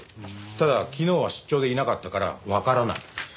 ただ昨日は出張でいなかったからわからない。